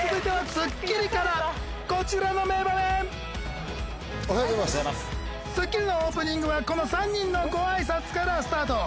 『スッキリ』のオープニングは３人のごあいさつからスタート。